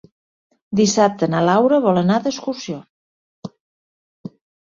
Dissabte na Laura vol anar d'excursió.